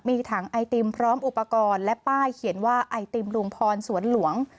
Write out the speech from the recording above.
มีถังไอติมพร้อมอุปกรณ์และป้ายเขียนว่าไอติมลุงพรสวนหลวง